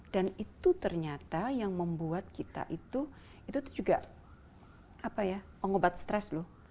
dan itu ternyata yang membuat kita itu itu tuh juga apa ya pengobat stres loh